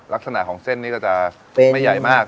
ลักษณะของเส้นนี้ก็จะไม่ใหญ่มาก